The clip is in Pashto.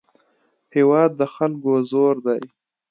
هېواد د خلکو زور دی.